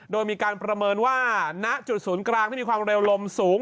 โดยมีการประเมินว่าณจุดศูนย์กลางที่มีความเร็วลมสูง